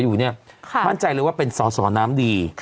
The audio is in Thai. ว่ามั่นใจว่าเป็นส่อน้ำดี